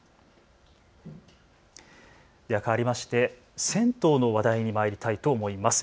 では変わりまして銭湯の話題にまいりたいと思います。